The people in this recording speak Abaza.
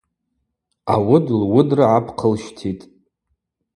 Ауыд луыдра гӏапхъылщтитӏ.